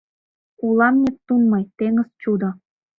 Улам Нептун мый — теҥыз чудо